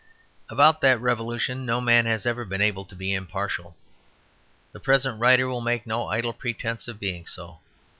About that revolution no man has ever been able to be impartial. The present writer will make no idle pretence of being so.